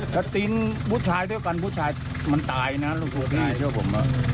และตินผู้ชายเท่ากันผู้ชายมันตายนะลูกพี่เชื่อผม